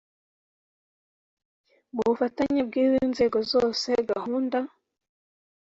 mu bufatanye bw izi nzego zose gahunda